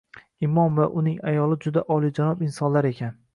Imom va uning ayoli juda oliyjanob insonlar ekan